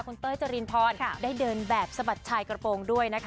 คุณเต้ยจรินพรได้เดินแบบสะบัดชายกระโปรงด้วยนะคะ